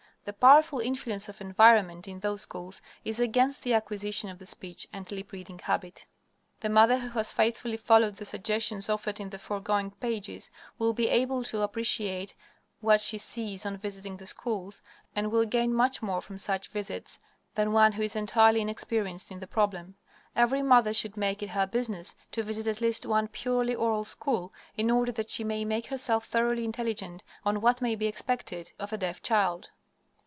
The powerful influence of environment in those schools is against the acquisition of the speech and lip reading habit. The mother who has faithfully followed the suggestions offered in the foregoing pages will be able to appreciate what she sees on visiting the schools, and will gain much more from such visits than one who is entirely inexperienced in the problem. Every mother should make it her business to visit at least one purely oral school, in order that she may make herself thoroughly intelligent on what may be expected of a deaf child.